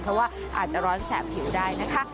เพราะว่าอาจจะร้อนแสบผิวได้นะคะ